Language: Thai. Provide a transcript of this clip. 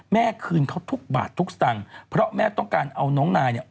แม่คืนเขาทุกบาททุกสตางค์เพราะแม่ต้องการเอาน้องนายเนี่ย